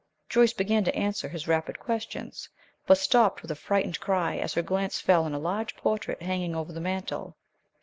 Joyce began to answer his rapid questions, but stopped with a frightened cry as her glance fell on a large portrait hanging over the mantel.